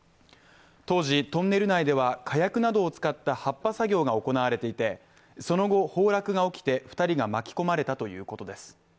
当時、トンネル内では火薬などを使った発破作業が行われていて、その後崩落が起きて２人が巻き込まれたということです。